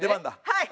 はい。